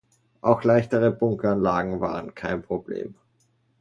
Auch leichtere Bunkeranlagen waren kein Problem.